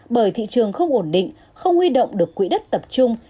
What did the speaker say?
bởi thị trường không ổn định không huy động được quỹ đất tập trung